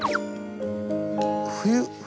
冬。